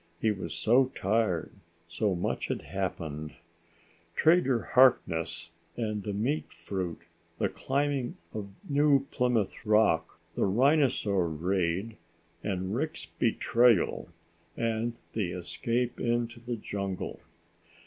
He was so tired; so much had happened. Trader Harkness and the meat fruit, the climbing of New Plymouth Rock, the rhinosaur raid and Rick's betrayal, and the escape into the jungle.